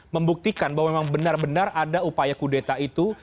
membuktikan bahwa memang benar benar ada upaya kudeta itu